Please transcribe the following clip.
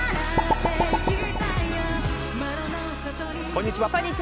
こんにちは。